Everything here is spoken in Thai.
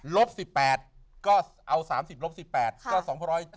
ลบ๑๘ก็เอา๓๐ลบ๑๘ก็๒๗